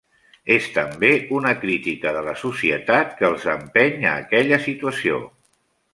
És també una crítica de la societat que els empeny a aquella situació.